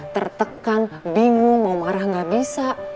tertekan bingung mau marah nggak bisa